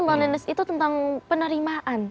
lolinus itu tentang penerimaan